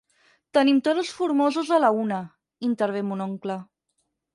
Tenim toros formosos a la una, intervé mon oncle.